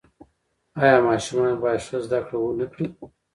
آیا ماشومان باید ښه زده کړه ونکړي؟